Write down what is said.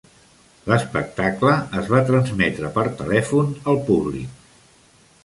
L"espectacle es va transmetre per telèfon al públic.